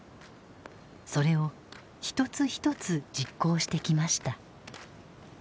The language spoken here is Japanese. それを一つ一つ実行してきました。